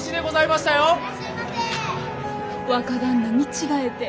若旦那見違えて。